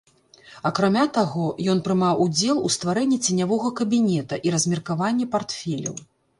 Акрамя таго, ён прымаў удзел у стварэнні ценявога кабінета і размеркаванні партфеляў.